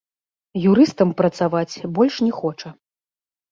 Юрыстам працаваць больш не хоча.